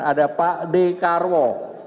ada pak d karwo